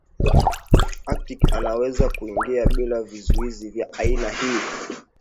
Aktiki unaweza kuingia bila vizuizi vya aina hii